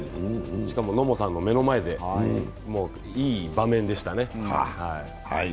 しかも野茂さんの目の前で、いい場面でしたね。